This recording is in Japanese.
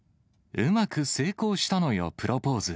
うまく成功したのよ、プロポーズ。